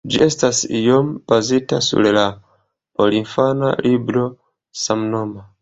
Ĝi estas iome bazita sur la porinfana libro samnoma.